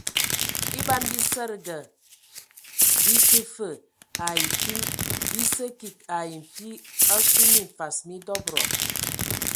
E ban bisədəga bə tə vaa ai fim bi sə kig ai nfi asu minfas mi dɔbədɔ.